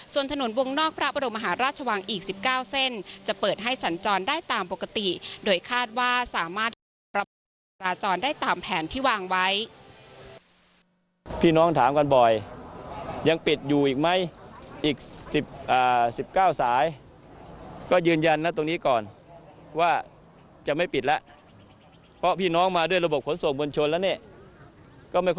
ส่วนถนนวงนอกพระบรมหาราชวังอีก๑๙เส้นจะเปิดให้สัญจรได้ตามปกติโดยคาดว่าสามารถที่จะปรับปรุงการจราจรได้ตามแผนที่วางไว้